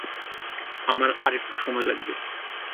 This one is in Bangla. আমার আর একটু সময় লাগবে।